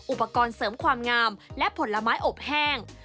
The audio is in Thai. อุปกรณ์เสริมความงามและผลไม้อบแห้ง